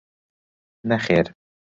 نەخێر.